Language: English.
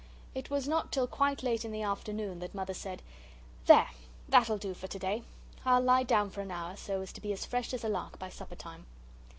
It was not till quite late in the afternoon that Mother said: "There! That'll do for to day. I'll lie down for an hour, so as to be as fresh as a lark by supper time."